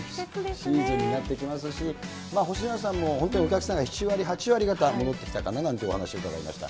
シーズンになってきますし、星のやさんも本当にお客さんが７割、８割がた戻ってきたかななんていうお話を伺いました。